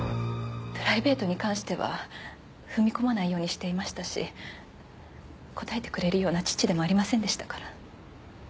プライベートに関しては踏み込まないようにしていましたし答えてくれるような父でもありませんでしたから。